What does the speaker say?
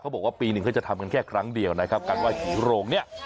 บอกว่าปีหนึ่งเขาจะทำกันแค่ครั้งเดียวนะครับการไห้ผีโรงเนี่ย